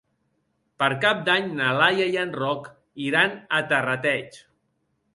Per Cap d'Any na Laia i en Roc iran a Terrateig.